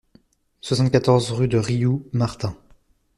soixante-quatorze rue de Rioux Martin